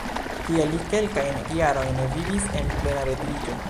Tie li kelkajn jarojn vivis en plena retiriĝo.